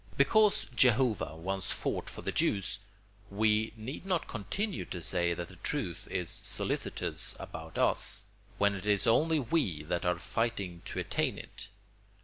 Because Jehovah once fought for the Jews, we need not continue to say that the truth is solicitous about us, when it is only we that are fighting to attain it.